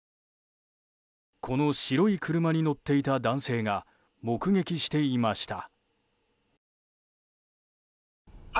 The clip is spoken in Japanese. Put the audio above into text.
この白い車に乗っていた男性が目撃していました。